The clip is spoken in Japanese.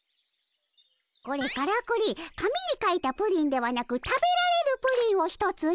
これからくり紙に書いたプリンではなく食べられるプリンを１つの。